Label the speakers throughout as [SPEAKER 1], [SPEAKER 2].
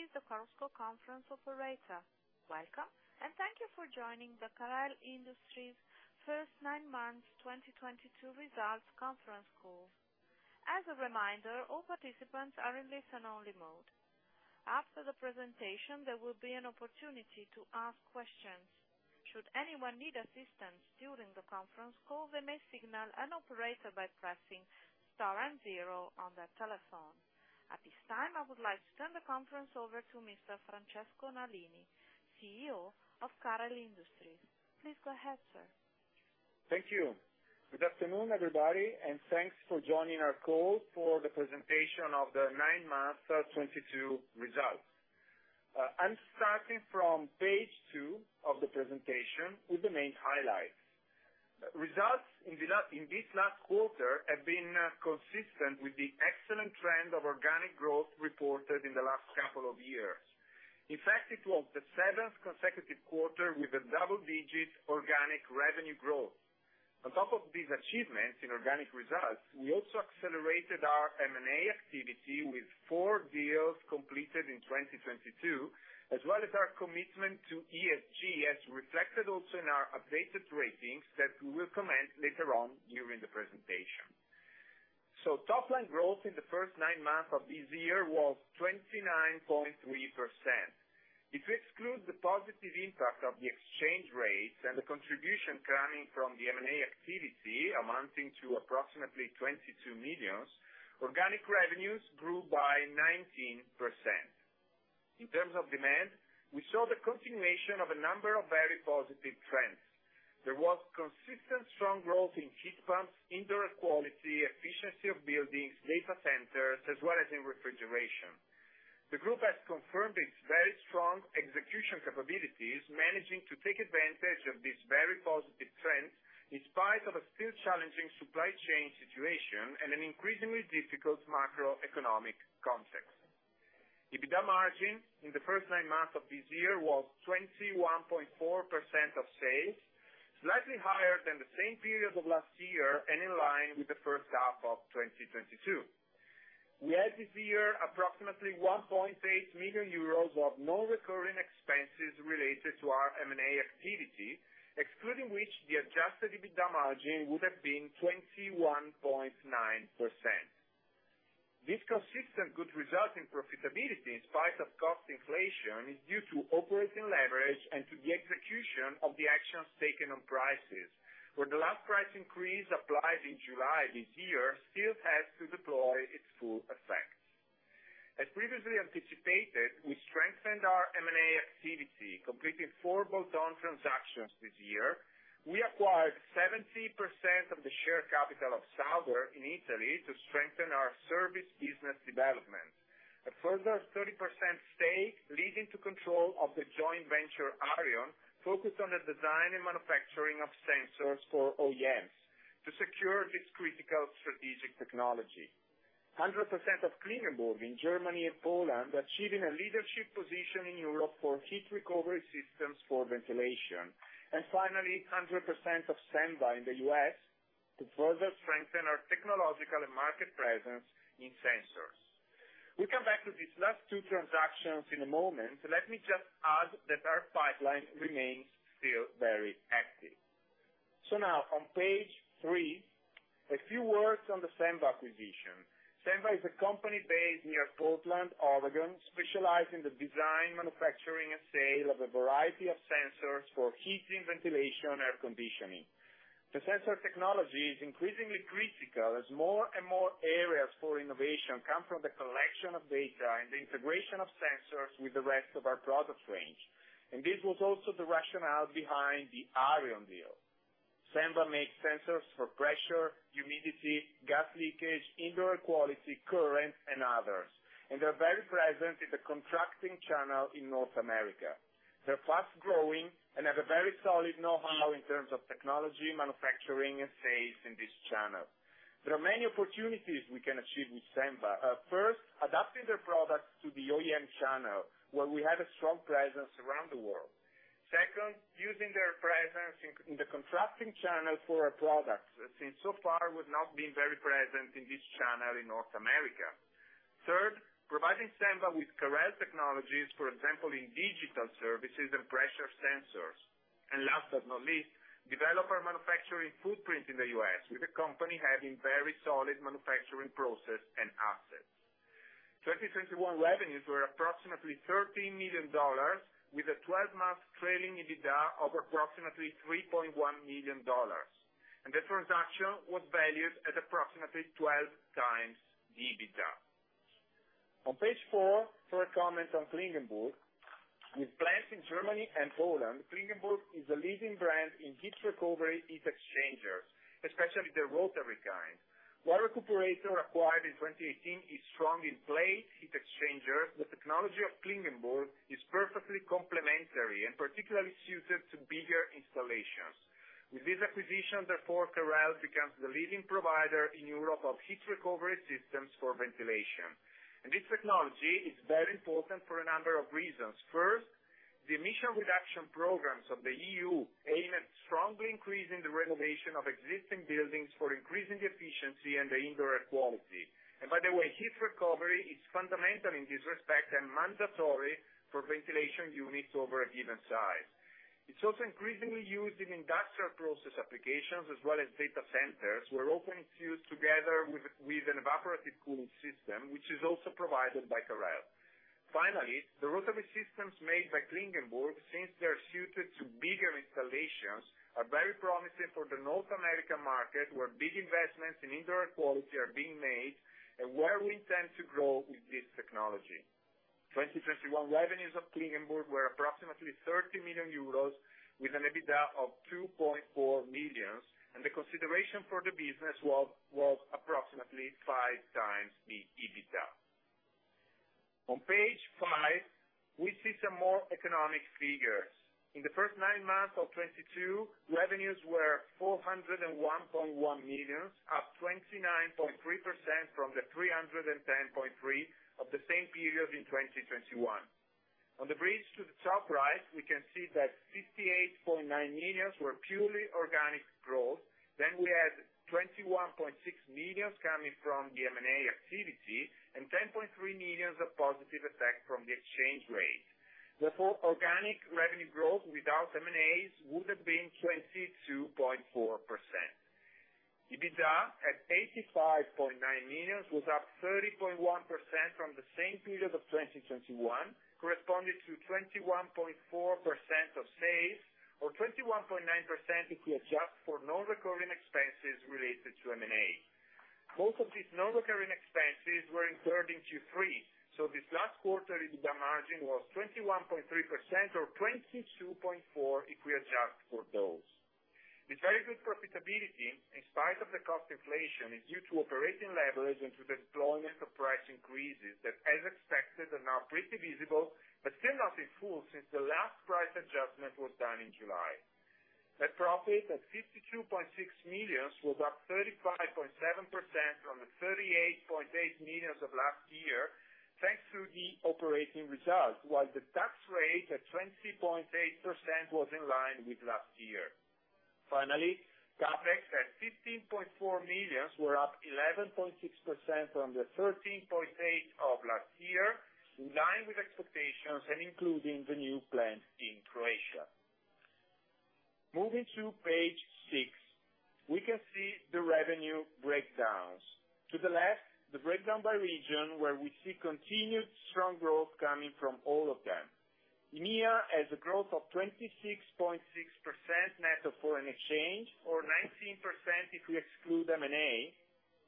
[SPEAKER 1] Good afternoon. This is the Chorus Call conference operator. Welcome, and thank you for joining the Carel Industries first nine months 2022 results conference call. As a reminder, all participants are in listen only mode. After the presentation, there will be an opportunity to ask questions. Should anyone need assistance during the conference call, they may signal an operator by pressing star and zero on their telephone. At this time, I would like to turn the conference over to Mr. Francesco Nalini, CEO of Carel Industries. Please go ahead, sir.
[SPEAKER 2] Thank you. Good afternoon, everybody, and thanks for joining our call for the presentation of the nine months 2022 results. I'm starting from page two of the presentation with the main highlights. Results in this last quarter have been consistent with the excellent trend of organic growth reported in the last couple of years. In fact, it was the seventh consecutive quarter with a double digit organic revenue growth. On top of these achievements in organic results, we also accelerated our M&A activity with four deals completed in 2022, as well as our commitment to ESG, as reflected also in our updated ratings that we will comment later on during the presentation. Top line growth in the first nine months of this year was 29.3%. If we exclude the positive impact of the exchange rates and the contribution coming from the M&A activity, amounting to approximately 22 million, organic revenues grew by 19%. In terms of demand, we saw the continuation of a number of very positive trends. There was consistent strong growth in heat pumps, indoor quality, efficiency of buildings, data centers, as well as in refrigeration. The group has confirmed its very strong execution capabilities, managing to take advantage of this very positive trend in spite of a still challenging supply chain situation and an increasingly difficult macroeconomic context. EBITDA margin in the first nine months of this year was 21.4% of sales, slightly higher than the same period of last year and in line with the first half of 2022. We had this year approximately 1.8 million euros of non-recurring expenses related to our M&A activity, excluding which the Adjusted EBITDA margin would have been 21.9%. These consistent good results in profitability in spite of cost inflation is due to operating leverage and to the execution of the actions taken on prices, where the last price increase applied in July this year still has to deploy its full effect. As previously anticipated, we strengthened our M&A activity, completing four bolt-on transactions this year. We acquired 70% of the share capital of Sauermann in Italy to strengthen our service business development. A further 30% stake leading to control of the joint venture Arion, focused on the design and manufacturing of sensors for OEMs to secure this critical strategic technology. 100% of Klingenburg in Germany and Poland, achieving a leadership position in Europe for heat recovery systems for ventilation. Finally, 100% of Senva in the U.S. to further strengthen our technological and market presence in sensors. We come back to these last two transactions in a moment. Let me just add that our pipeline remains still very active. Now on page three, a few words on the Senva acquisition. Senva is a company based near Portland, Oregon, specialized in the design, manufacturing, and sale of a variety of sensors for heating, ventilation, air conditioning. The sensor technology is increasingly critical as more and more areas for innovation come from the collection of data and the integration of sensors with the rest of our product range. This was also the rationale behind the Arion deal. Senva makes sensors for pressure, humidity, gas leakage, indoor air quality, current and others, and they are very present in the contracting channel in North America. They're fast-growing and have a very solid know-how in terms of technology, manufacturing and sales in this channel. There are many opportunities we can achieve with Senva. First, adapting their products to the OEM channel, where we have a strong presence around the world. Second, using their presence in the contracting channel for our products, since so far we've not been very present in this channel in North America. Third, providing Senva with Carel technologies, for example, in digital services and pressure sensors. Last but not least, develop our manufacturing footprint in the U.S., with the company having very solid manufacturing process and assets. 2021 revenues were approximately $13 million, with a 12-month trailing EBITDA of approximately $3.1 million, and the transaction was valued at approximately 12 times the EBITDA. On page four for a comment on Klingenburg. With plants in Germany and Poland, Klingenburg is a leading brand in heat recovery heat exchangers, especially the rotary kind. While Recuperator acquired in 2018 is strong in plate heat exchangers, the technology of Klingenburg is perfectly complementary and particularly suited to bigger installations. With this acquisition, therefore, Carel becomes the leading provider in Europe of heat recovery systems for ventilation. This technology is very important for a number of reasons. First, the emission reduction programs of the EU aimed at strongly increasing the renovation of existing buildings for increasing efficiency and the indoor air quality. By the way, heat recovery is fundamental in this respect, and mandatory for ventilation units over a given size. It's also increasingly used in industrial process applications, as well as data centers, where often it's used together with an evaporative cooling system, which is also provided by Carel. Finally, the rotary systems made by Klingenburg, since they are suited to bigger installations, are very promising for the North American market, where big investments in indoor air quality are being made and where we intend to grow with this technology. 2021 revenues of Klingenburg were approximately 30 million euros with an EBITDA of 2.4 million, and the consideration for the business was approximately 5x the EBITDA. On page five, we see some more economic figures. In the first nine months of 2022, revenues were 401.1 million, up 29.3% from the 310.3 million of the same period in 2021. On the bridge to the top right, we can see that 58.9 million were purely organic growth. We had 21.6 million coming from the M&A activity, and 10.3 million of positive effect from the exchange rate. Therefore, organic revenue growth without M&As would have been 22.4%. EBITDA at 85.9 million was up 30.1% from the same period of 2021, corresponding to 21.4% of sales, or 21.9% if we adjust for non-recurring expenses related to M&A. Both of these non-recurring expenses were incurred in Q3, so this last quarter, EBITDA margin was 21.3% or 22.4% if we adjust for those. The very good profitability, in spite of the cost inflation, is due to operating leverage and to the deployment of price increases that, as expected, are now pretty visible, but still not in full since the last price adjustment was done in July. Net profit at 52.6 million was up 35.7% from the 38.8 million of last year, thanks to the operating results. While the tax rate at 20.8% was in line with last year. Finally, CapEx at 15.4 million were up 11.6% from the 13.8 million of last year, in line with expectations and including the new plant in Croatia. Moving to page six, we can see the revenue breakdowns. To the left, the breakdown by region, where we see continued strong growth coming from all of them. EMEA has a growth of 26.6% net of foreign exchange or 19% if we exclude M&A,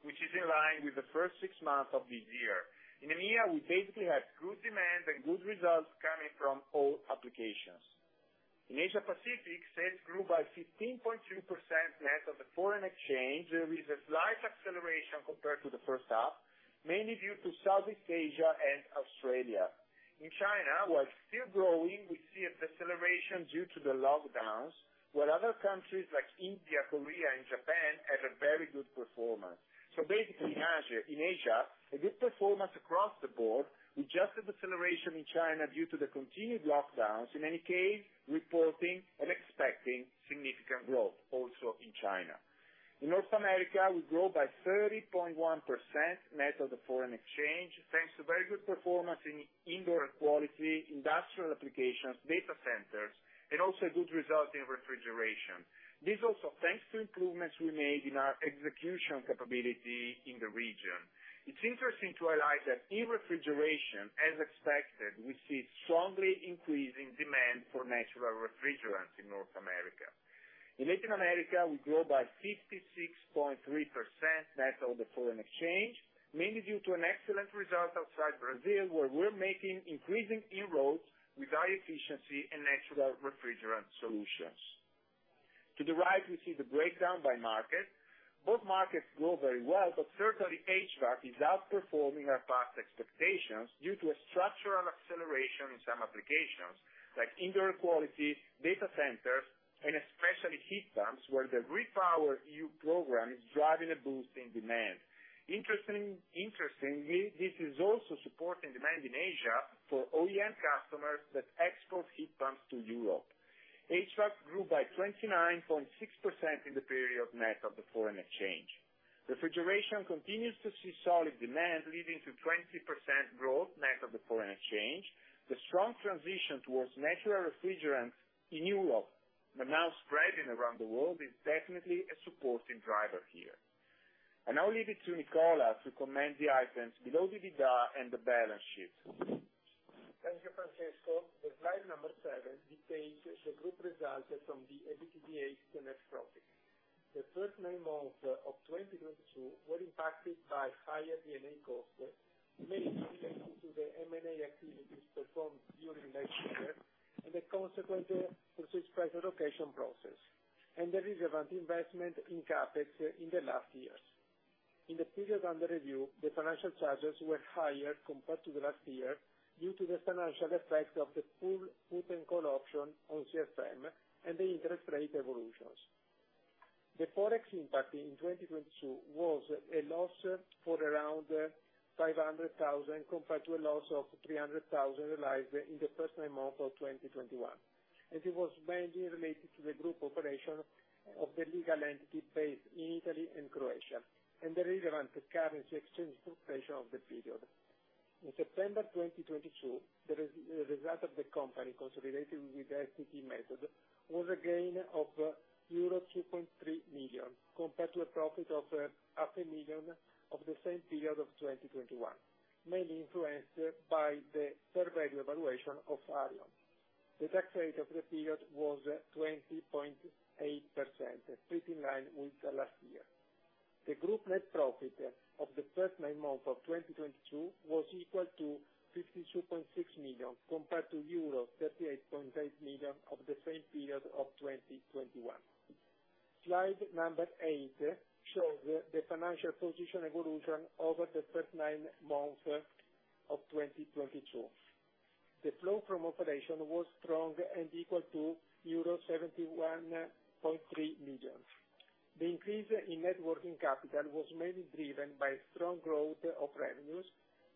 [SPEAKER 2] which is in line with the first six months of this year. In EMEA, we basically have good demand and good results coming from all applications. In Asia Pacific, sales grew by 15.2% net of the foreign exchange, with a slight acceleration compared to the first half, mainly due to Southeast Asia and Australia. In China, while still growing, we see a deceleration due to the lockdowns, where other countries like India, Korea, and Japan had a very good performance. Basically, in Asia, a good performance across the board with just a deceleration in China due to the continued lockdowns. In any case, reporting and expecting significant growth also in China. In North America, we grow by 30.1% net of the foreign exchange, thanks to very good performance in indoor air quality, industrial applications, data centers and also good result in refrigeration. This also thanks to improvements we made in our execution capability in the region. It's interesting to highlight that in refrigeration, as expected, we see strongly increasing demand for natural refrigerants in North America. In Latin America, we grow by 56.3% net of the foreign exchange, mainly due to an excellent result outside Brazil, where we're making increasing inroads with high efficiency and natural refrigerant solutions. To the right, we see the breakdown by market. Both markets grow very well, but certainly HVAC is outperforming our past expectations due to a structural acceleration in some applications, like indoor air quality, data centers and especially heat pumps, where the REPowerEU program is driving a boost in demand. Interestingly, this is also supporting demand in Asia for OEM customers that export heat pumps to Europe. HVAC grew by 29.6% in the period, net of the foreign exchange. Refrigeration continues to see solid demand, leading to 20% growth net of the foreign exchange. The strong transition towards natural refrigerants in Europe, but now spreading around the world, is definitely a supporting driver here. I now leave it to Nicola to comment the items below the EBITDA and the balance sheet.
[SPEAKER 3] Thank you, Francesco. The slide number seven details the group results from the EBITDA to net profit. The first nine months of 2022 were impacted by higher M&A costs, mainly related to the M&A activities performed during last year and the consequent purchase price allocation process, and the relevant investment in CapEx in the last years. In the period under review, the financial charges were higher compared to the last year due to the financial effect of the full put and call option on CFM and the interest rate evolutions. The Forex impact in 2022 was a loss of around 500,000 compared to a loss of 300,000 realized in the first nine months of 2021. It was mainly related to the group operation of the legal entity based in Italy and Croatia, and the relevant currency exchange fluctuation of the period. In September 2022, the result of the company consolidated with the equity method was a gain of euro 2.3 million compared to a profit of 1 million of the same period of 2021, mainly influenced by the fair value evaluation of Arion. The tax rate of the period was 20.8%, pretty in line with the last year. The group net profit of the first nine months of 2022 was equal to 52.6 million compared to euro 38.8 million of the same period of 2021. Slide nine shows the financial position evolution over the first nine months of 2022. The flow from operation was strong and equal to euro 71.3 million. The increase in net working capital was mainly driven by strong growth of revenues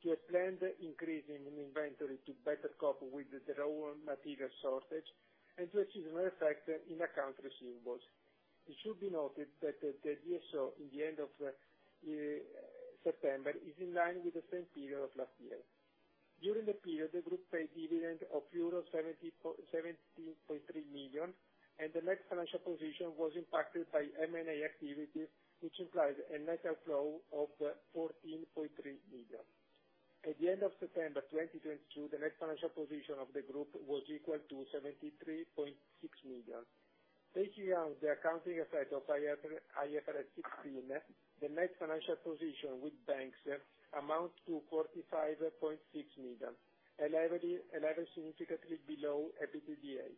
[SPEAKER 3] to a planned increase in inventory to better cope with the raw material shortage and to achieve more efficiency in accounts receivables. It should be noted that the DSO at the end of September is in line with the same period of last year. During the period, the group paid dividend of euro 73.3 million, and the net financial position was impacted by M&A activity, which implies a net outflow of 14.3 million. At the end of September 2022, the net financial position of the group was equal to 73.6 million. Taking out the accounting effect of IFRS 16, the net financial position with banks amounts to 45.6 million, a level significantly below EBITDA.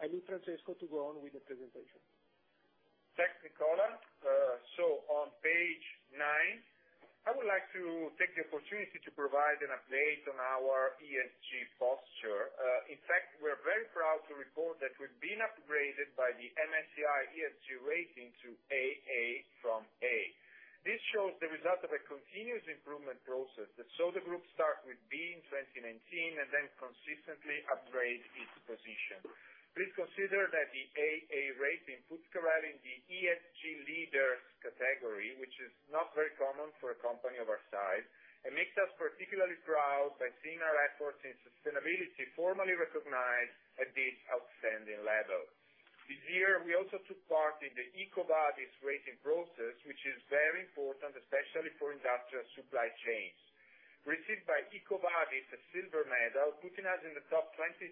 [SPEAKER 3] I leave Francesco to go on with the presentation.
[SPEAKER 2] Thanks, Nicola. On page nine, I would like to take the opportunity to provide an update on our ESG posture. In fact, we're very proud to report that we've been upgraded by the MSCI ESG rating to AA from A. This shows the result of a continuous improvement process that saw the group start with B in 2019 and then consistently upgrade its position. Please consider that the AA rating puts Carel in the ESG leaders category, which is not very common for a company of our size and makes us particularly proud by seeing our efforts in sustainability formally recognized at this outstanding level. This year, we also took part in the EcoVadis rating process, which is very important especially for industrial supply chains. We received a silver medal from EcoVadis, putting us in the top 23%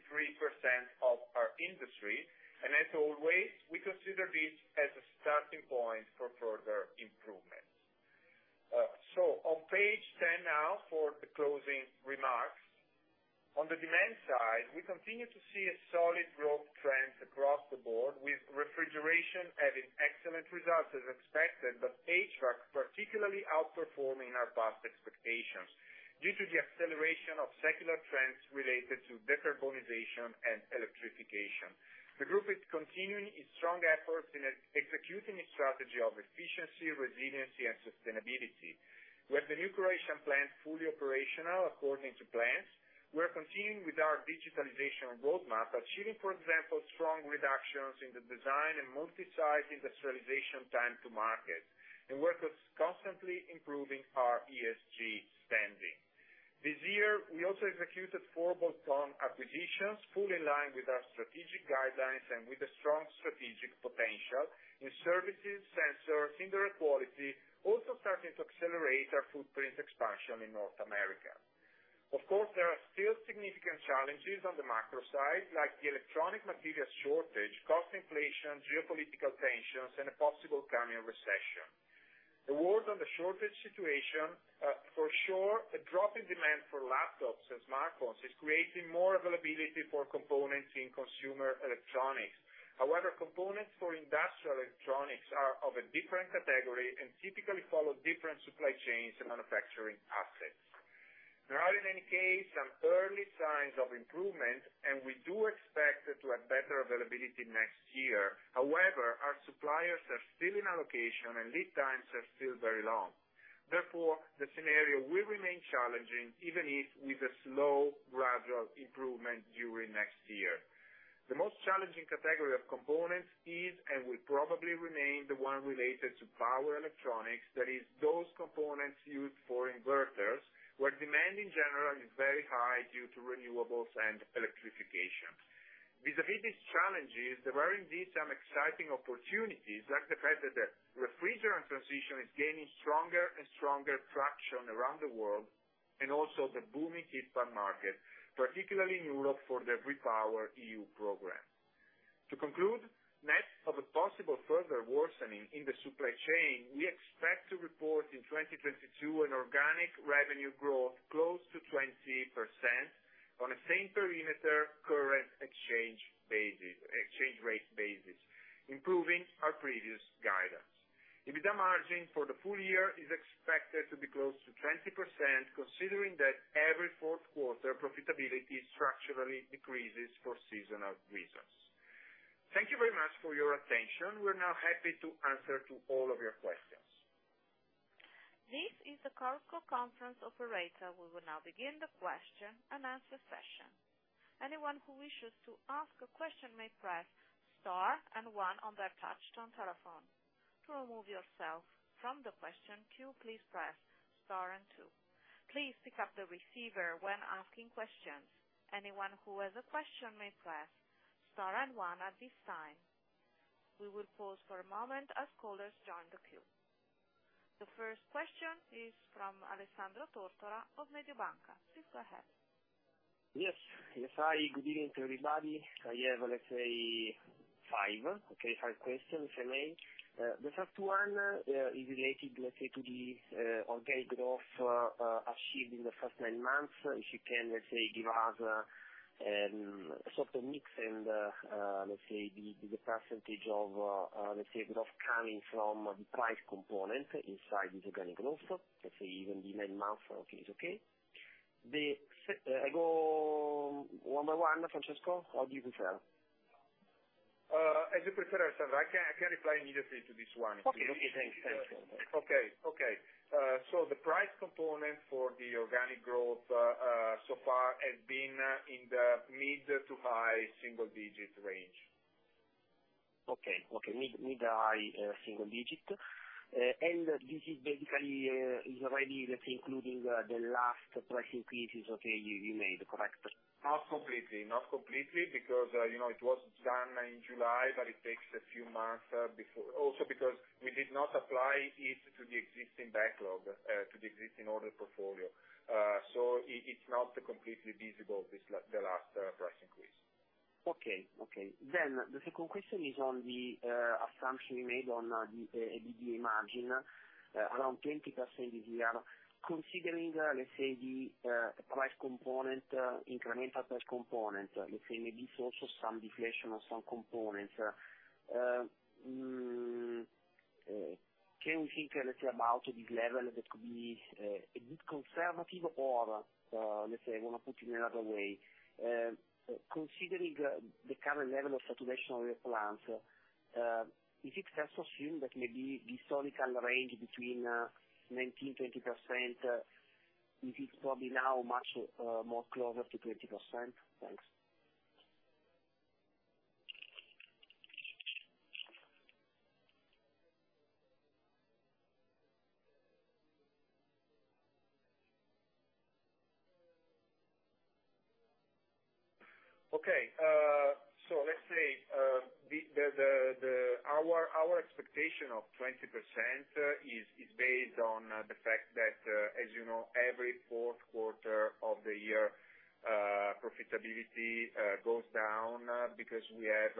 [SPEAKER 2] of our industry. As always, we consider this as a starting point for further improvements. On page 10 now for the closing remarks. On the demand side, we continue to see a solid growth trend across the board, with refrigeration having excellent results as expected, but HVAC particularly outperforming our past expectations due to the acceleration of secular trends related to decarbonization and electrification. The group is continuing its strong efforts in executing its strategy of efficiency, resiliency, and sustainability. With the new Croatian plant fully operational according to plans, we are continuing with our digitalization roadmap, achieving, for example, strong reductions in the design and multi-site industrialization time to market, and we're constantly improving our ESG standing. This year, we also executed four bolt-on acquisitions, fully in line with our strategic guidelines and with a strong strategic potential in services, sensors, indoor air quality, also starting to accelerate our footprint expansion in North America. Of course, there are still significant challenges on the macro side, like the electronic material shortage, cost inflation, geopolitical tensions, and a possible coming recession. A word on the shortage situation. For sure, a drop in demand for laptops and smartphones is creating more availability for components in consumer electronics. However, components for industrial electronics are of a different category and typically follow different supply chains and manufacturing assets. There are, in any case, some early signs of improvement, and we do expect to have better availability next year. However, our suppliers are still in allocation, and lead times are still very long. Therefore, the scenario will remain challenging, even if with a slow gradual improvement during next year. The most challenging category of components is, and will probably remain, the one related to power electronics. That is, those components used for inverters, where demand in general is very high due to renewables and electrification. Vis-à-vis these challenges, there are indeed some exciting opportunities, like the fact that the refrigerant transition is gaining stronger and stronger traction around the world, and also the booming heat pump market, particularly in Europe for the REPowerEU program. To conclude, net of a possible further worsening in the supply chain, we expect to report in 2022 an organic revenue growth close to 20% on a same perimeter current exchange basis, exchange rate basis, improving our previous guidance. EBITDA margin for the full year is expected to be close to 20% considering that every fourth quarter profitability structurally decreases for seasonal reasons. Thank you very much for your attention. We're now happy to answer to all of your questions.
[SPEAKER 1] This is the Chorus Call conference operator. We will now begin the question-and-answer session. Anyone who wishes to ask a question may press star and one on their touch tone telephone. To remove yourself from the question queue, please press star and two. Please pick up the receiver when asking questions. Anyone who has a question may press star and one at this time. We will pause for a moment as callers join the queue. The first question is from Alessandro Tortora of Mediobanca. Please go ahead.
[SPEAKER 4] Yes. Yes, hi. Good evening to everybody. I have, let's say, five. Okay, five questions, if I may. The first one is related, let's say, to the organic growth achieved in the first nine months. If you can, let's say, give us sort of mix and, let's say, the percentage of growth coming from the price component inside this organic growth, let's say even the nine months is okay. I go one by one, Francesco, or do you prefer?
[SPEAKER 2] As you prefer, Alessandro. I can reply immediately to this one.
[SPEAKER 4] Okay. Thanks.
[SPEAKER 2] Okay, the price component for the organic growth so far has been in the mid- to high-single-digit range.
[SPEAKER 4] Okay. Mid-high single-digit. This is basically already, let's say, including the last price increases that you made, correct?
[SPEAKER 2] Not completely, because you know, it was done in July, but it takes a few months before. Also, because we did not apply it to the existing backlog, to the existing order portfolio. It's not completely visible, this, the last price increase.
[SPEAKER 4] Okay. The second question is on the assumption you made on the EBITDA margin around 20% this year. Considering, let's say the price component, incremental price component, let's say maybe it's also some deflation on some components. Can we think, let's say, about this level that could be a bit conservative? Or, let's say I wanna put it in another way, considering the current level of saturation of your plants, is it fair to assume that maybe the historical range between 19%-20% is it probably now much more closer to 20%? Thanks.
[SPEAKER 2] Let's say our expectation of 20% is based on the fact that, as you know, every fourth quarter of the year, profitability goes down because we have,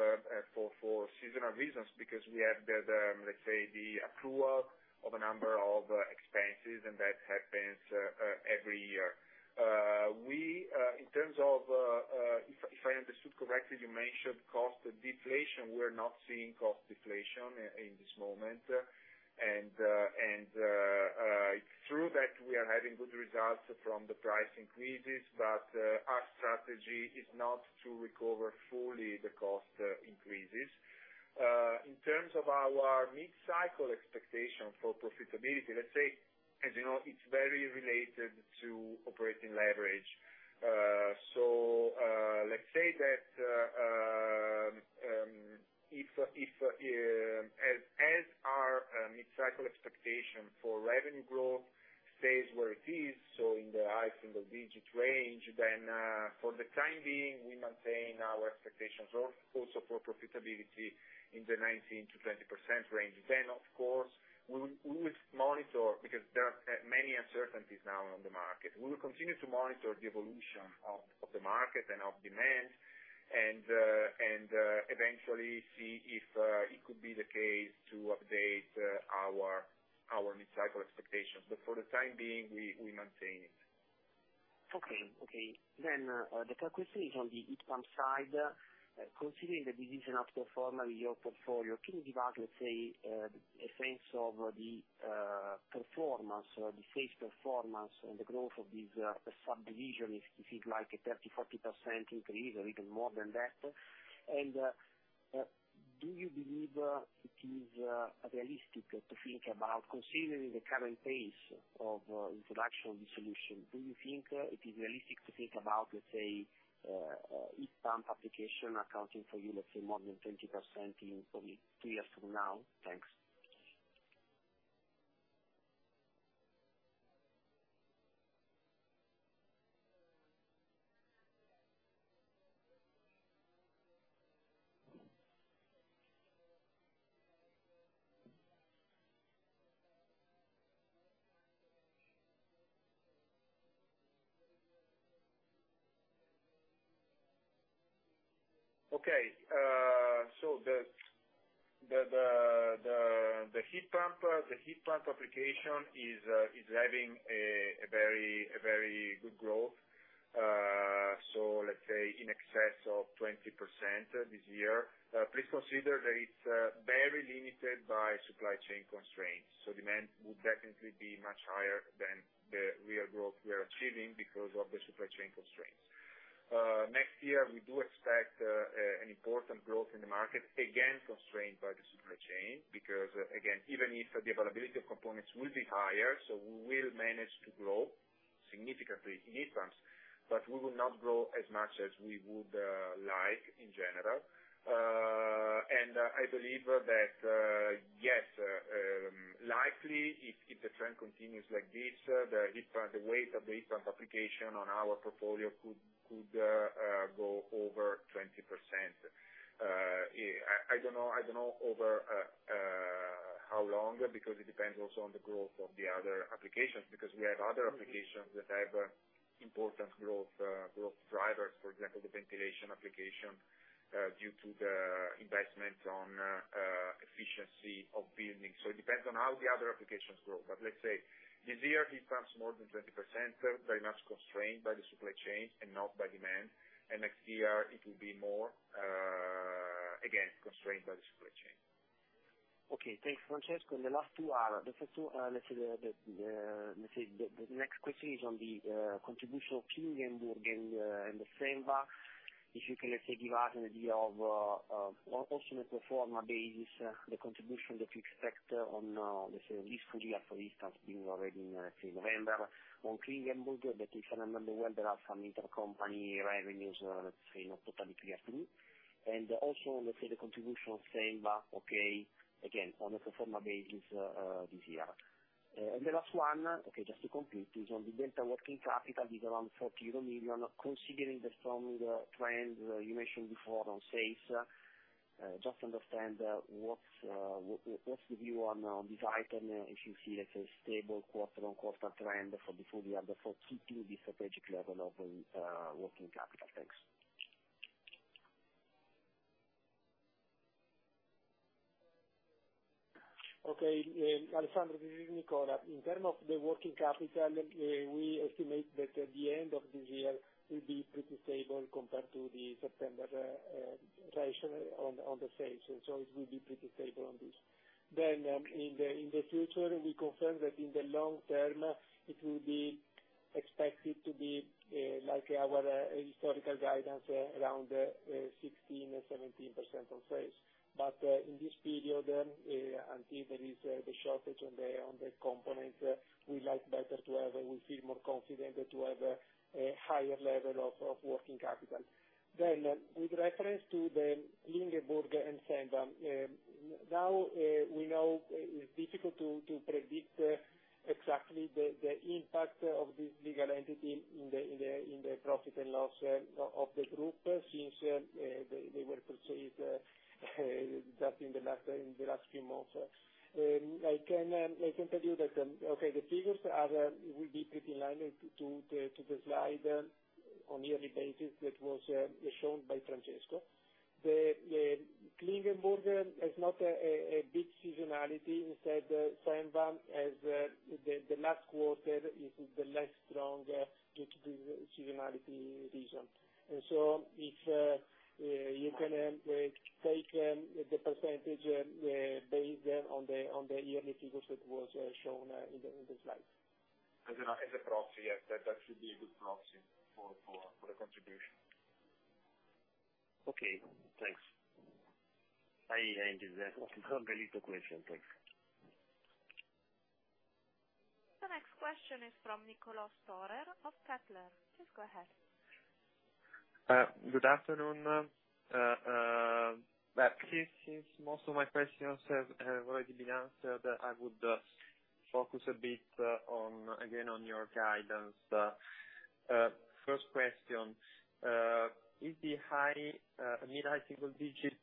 [SPEAKER 2] for seasonal reasons, the accrual of a number of expenses and that happens every year. In terms of, if I understood correctly, you mentioned cost deflation. We're not seeing cost deflation in this moment. It's true that we are having good results from the price increases, but our strategy is not to recover fully the cost increases. In terms of our mid-cycle expectation for profitability, let's say, as you know, it's very related to operating leverage. Let's say that if as our mid-cycle expectation for revenue growth stays where it is, so in the high single digit range, then for the time being, we maintain our expectations also for profitability in the 19%-20% range. Of course, we will monitor, because there are many uncertainties now on the market. We will continue to monitor the evolution of the market and of demand, and eventually see if it could be the case to update our mid-cycle expectations. For the time being we maintain it.
[SPEAKER 4] The third question is on the heat pump side. Considering that this is an outperformer in your portfolio, can you give us, let's say, a sense of the performance, the sales performance and the growth of this subdivision? If it's like a 30, 40% increase or even more than that? Do you believe it is realistic to think about considering the current pace of introduction of the solution, do you think it is realistic to think about, let's say, heat pump application accounting for you, let's say, more than 20% in probably two years from now? Thanks.
[SPEAKER 2] Okay. The heat pump application is having a very good growth. Let's say in excess of 20% this year. Please consider that it's very limited by supply chain constraints. Demand will definitely be much higher than the real growth we are achieving because of the supply chain constraints. Next year, we do expect an important growth in the market, again constrained by the supply chain, because, again, even if the availability of components will be higher, so we will manage to grow significantly in heat pumps, but we will not grow as much as we would like in general. I believe that likely if the trend continues like this, the heat pump, the weight of the heat pump application on our portfolio could go over 20%. I don't know over how long, because it depends also on the growth of the other applications, because we have other applications that have important growth drivers, for example, the ventilation application due to the investment on efficiency of buildings. It depends on how the other applications grow. Let's say this year, more than 20%, very much constrained by the supply chain and not by demand. Next year it will be more again, constrained by the chain.
[SPEAKER 4] Okay, thanks, Francesco. Let's say the next question is on the contribution of Klingenburg and the Senva. If you can, let's say, give us an idea also on a pro forma basis, the contribution that you expect on let's say this full year, for instance, being already in let's say November. On Klingenburg, that if I remember well, there are some intercompany revenues, let's say not totally clear to me. And also, let's say the contribution of Senva, okay, again, on a pro forma basis this year. The last one, okay, just to complete, is on the delta working capital is around 40 million euro, considering the strong trends you mentioned before on sales. Just to understand, what's the view on this item if you see it as a stable quarter-on-quarter trend for the year before keeping the strategic level of working capital? Thanks.
[SPEAKER 3] Okay, Alessandro, this is Nicola. In terms of the working capital, we estimate that at the end of this year, we'll be pretty stable compared to the September ratio on the sales. It will be pretty stable on this. In the future, we confirm that in the long term, it will be expected to be like our historical guidance, around 16% or 17% on sales. In this period, until there is the shortage on the components, we like better to have, we feel more confident to have a higher level of working capital. With reference to the Klingenburg and Senva, now, we know it's difficult to predict exactly the impact of this legal entity in the profit and loss of the group, since they were purchased just in the last few months. I can tell you that, okay, the figures will be pretty in line, like, to the slide on yearly basis that was shown by Francesco. The Klingenburg has not a big seasonality instead, Senva has the last quarter is the less strong due to the seasonality reason. If you can take the percentage based on the yearly figures that was shown in the slides.
[SPEAKER 2] As a proxy, yes. That should be a good proxy for the contribution.
[SPEAKER 4] Okay, thanks. I understand. Okay, the little question. Thanks.
[SPEAKER 1] The next question is from Niccolò Storer of Kepler Cheuvreux. Please go ahead.
[SPEAKER 5] Good afternoon. Since most of my questions have already been answered, I would focus a bit on again on your guidance. First question. Is the high mid-high single digit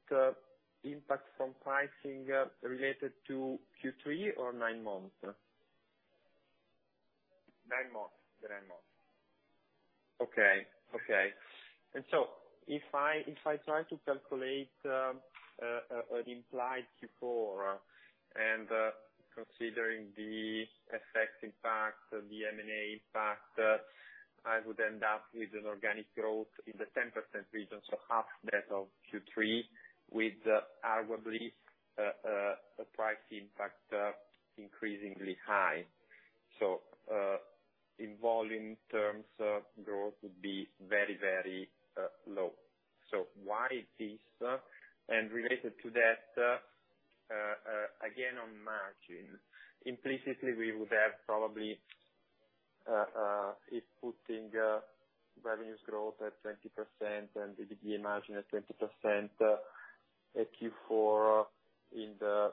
[SPEAKER 5] impact from pricing related to Q3 or nine months?
[SPEAKER 2] The nine months.
[SPEAKER 5] Okay. If I try to calculate an implied Q4 and, considering the effect of the M&A impact, I would end up with an organic growth in the 10% region, so half that of Q3 with arguably a price impact increasingly high. In volume terms, growth would be very low. Why this? Related to that, again on margin, implicitly we would have probably if putting revenue growth at 20% and EBITDA margin at 20%, at Q4 in the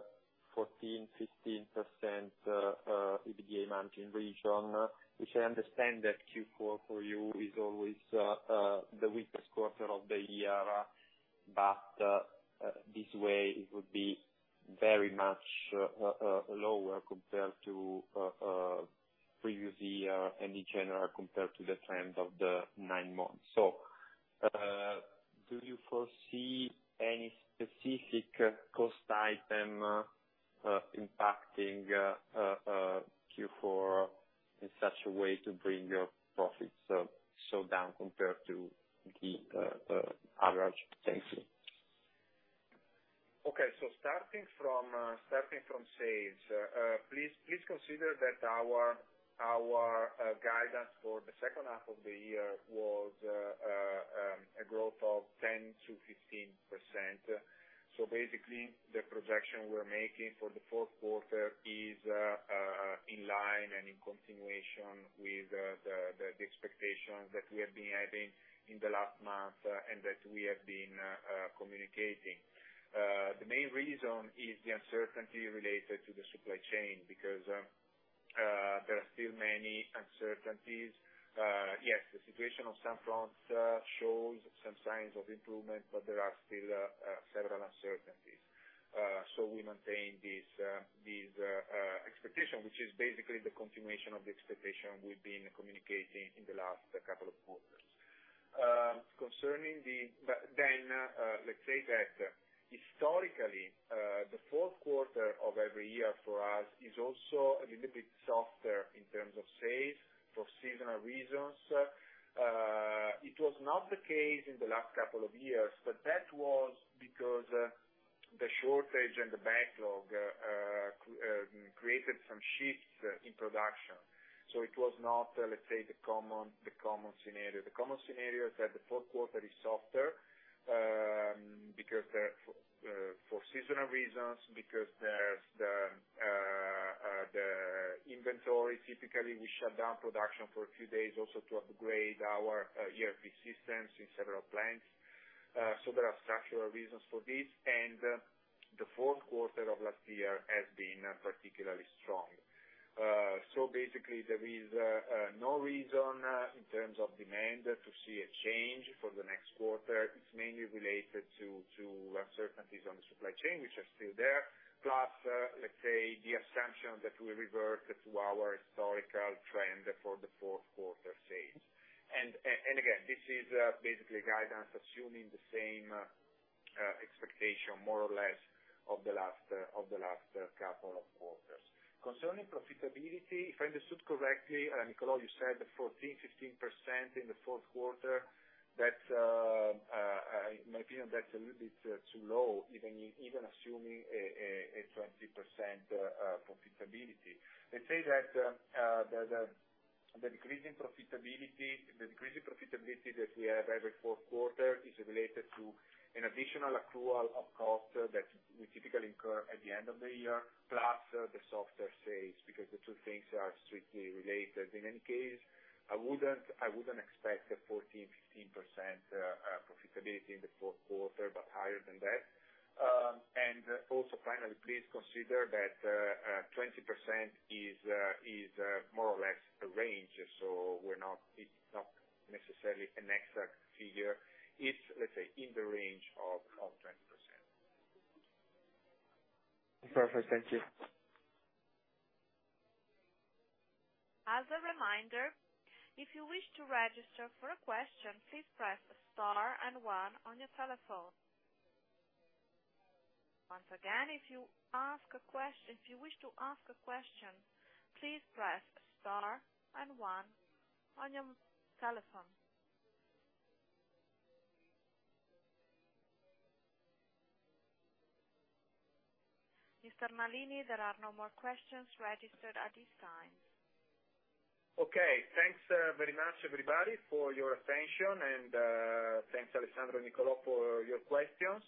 [SPEAKER 5] 14%-15% EBITDA margin region. Which I understand that Q4 for you is always the weakest quarter of the year, but this way it would be very much lower compared to previous year and in general compared to the trend of the nine months. Do you foresee any specific cost item impacting Q4 in such a way to bring your profits so down compared to the average? Thank you.
[SPEAKER 2] Okay. Starting from sales, please consider that our guidance for the second half of the year was a growth of 10%-15%. Basically, the projection we're making for the fourth quarter is in line and in continuation with the expectations that we have been having in the last month and that we have been communicating. The main reason is the uncertainty related to the supply chain because there are still many uncertainties. Yes, the situation on some fronts shows some signs of improvement, but there are still several uncertainties. We maintain this expectation, which is basically the continuation of the expectation we've been communicating in the last couple of quarters. Let's say that historically, the fourth quarter of every year for us is also a little bit softer in terms of sales for seasonal reasons. It was not the case in the last couple of years, but that was because the shortage and the backlog created some shifts in production. It was not, let's say, the common scenario. The common scenario is that the fourth quarter is softer because for seasonal reasons, because there's the inventory. Typically, we shut down production for a few days also to upgrade our ERP systems in several plants. There are structural reasons for this. The fourth quarter of last year has been particularly strong. Basically, there is no reason in terms of demand to see a change for the next quarter. It's mainly related to uncertainties on the supply chain, which are still there, plus let's say, the assumption that we revert to our historical trend for the fourth quarter sales. Again, this is basically guidance assuming the same expectation, more or less, of the last couple of quarters. Concerning profitability, if I understood correctly, Niccolò, you said 14-15% in the fourth quarter. That's in my opinion a little bit too low, even assuming a 20% profitability. Let's say that the decreasing profitability that we have every fourth quarter is related to an additional accrual of cost that we typically incur at the end of the year, plus the softer sales, because the two things are strictly related. In any case, I wouldn't expect a 14%-15% profitability in the fourth quarter, but higher than that. Also finally, please consider that 20% is more or less a range, it's not necessarily an exact figure. It's, let's say, in the range of 20%.
[SPEAKER 5] Perfect. Thank you.
[SPEAKER 1] As a reminder, if you wish to register for a question, please press star and one on your telephone. Once again, if you wish to ask a question, please press star and one on your telephone. Mr. Nalini, there are no more questions registered at this time.
[SPEAKER 2] Okay. Thanks, very much everybody for your attention, and thanks Alessandro and Niccolò for your questions.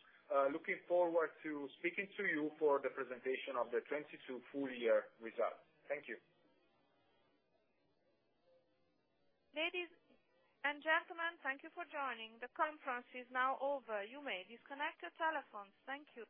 [SPEAKER 2] Looking forward to speaking to you for the presentation of the 2022 full year results. Thank you.
[SPEAKER 1] Ladies and gentlemen, thank you for joining. The conference is now over. You may disconnect your telephones. Thank you.